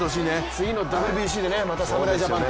次のＷＢＣでまた侍ジャパンと。